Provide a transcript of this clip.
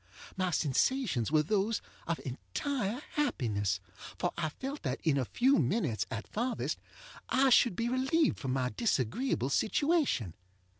My sensations were those of entire happiness, for I felt that in a few minutes, at farthest, I should be relieved from my disagreeable situation.